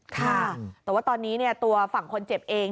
ค่ะแต่ว่าตอนนี้ตัวฝั่งคนเจ็บเอง